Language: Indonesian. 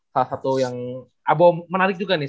salah satu yang menarik juga nih